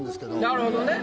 なるほどね。